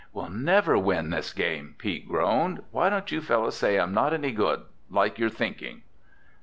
"We'll never win this game!" Pete groaned. "Why don't you fellows say I'm not any good—like you're thinking!"